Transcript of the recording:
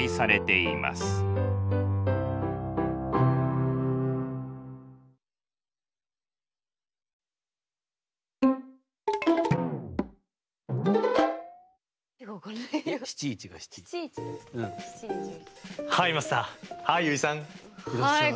いらっしゃい。